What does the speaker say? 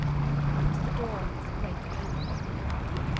It was the dawn of the great panic.